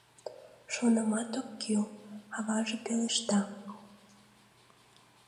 Шонымат ок кӱл, — аваже пелешта.